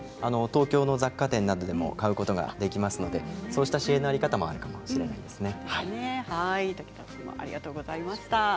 東京の雑貨店などでも買うことができますのでそういう支援のしかたもあるかもしれないですね。